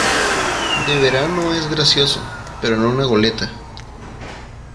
de verano es gracioso, pero en una goleta